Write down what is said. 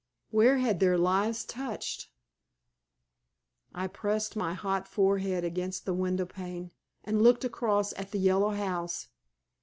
Where had their lives touched? I pressed my hot forehead against the window pane, and looked across at the Yellow House.